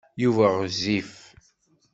Yuba ɣezzif.